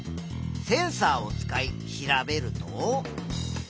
センサーを使い調べると。